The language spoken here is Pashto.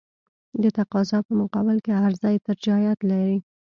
د تقاضا په مقابل کې عرضه ارتجاعیت لري.